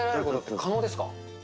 可能です。